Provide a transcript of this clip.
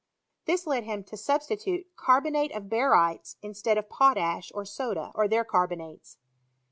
Hiis led him to substitute carbonate of baryies in stead of potash or soda, or their carbonates.